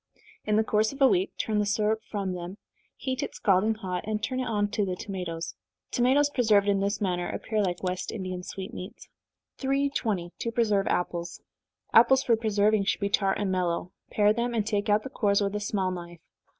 In the course of a week turn the syrup from them, heat it scalding hot, and turn it on to the tomatoes. Tomatoes preserved in this manner appear like West Indian sweetmeats. 320. To Preserve Apples. Apples for preserving should be tart and mellow pare them, and take out the cores with a small knife.